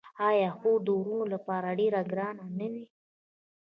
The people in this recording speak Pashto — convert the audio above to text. آیا خور د وروڼو لپاره ډیره ګرانه نه وي؟